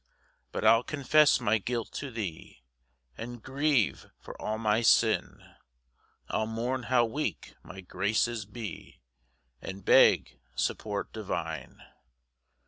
9 But I'll confess my guilt to thee, And grieve for all my sin, I'll mourn how weak my graces be, And beg support divine.